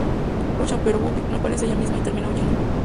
Luchan pero Buffy no parece ella misma y termina huyendo.